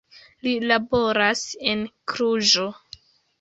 Li laboras en Kluĵo.